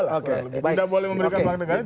tidak boleh memberikan makna ganda